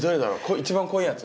一番濃いやつ？